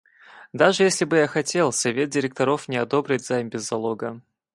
Даже если бы я хотел, совет директоров не одобрит займ без залога.